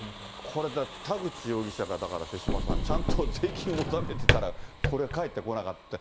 これ、田口容疑者がだから、手嶋さん、ちゃんと税金を納めてたら、これ、返ってこなかった。